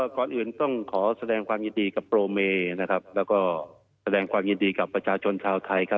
ก่อนอื่นต้องขอแสดงความยินดีกับโปรเมและการแสดงความยินดีกับประจาชนชาวไทย